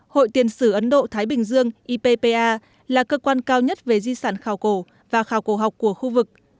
hội tiền sử ấn độ thái bình dương ippa là cơ quan cao nhất về di sản khảo cổ và khảo cổ học của khu vực